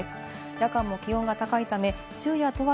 夜間も気温が高いため、昼夜問わ